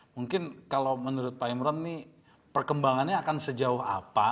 mungkin kalau menurut pak imran ini perkembangannya akan sejauh apa